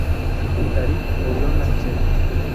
Táriq murió en la miseria.